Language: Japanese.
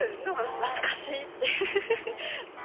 懐かしいっていう。